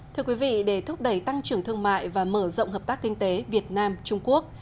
thưa quý vị để thúc đẩy tăng trưởng thương mại và mở rộng hợp tác kinh tế việt nam trung quốc